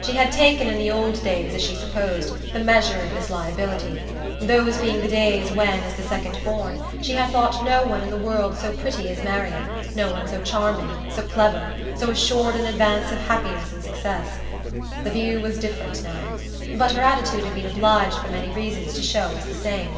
She had taken, in the old days, as she supposed, the measure of this liability; those being the days when, as the second born, she had thought no one in the world so pretty as Marian, no one so charming, so clever, so assured in advance of happiness and success. The view was different now, but her attitude had been obliged, for many reasons, to show as the same.